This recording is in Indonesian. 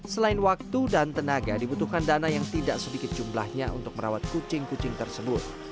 selain waktu dan tenaga dibutuhkan dana yang tidak sedikit jumlahnya untuk merawat kucing kucing tersebut